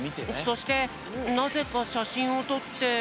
そしてなぜかしゃしんをとって。